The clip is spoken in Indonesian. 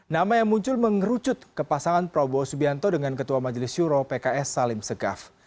nama yang muncul mengerucut ke pasangan prabowo subianto dengan ketua majelis syuro pks salim segaf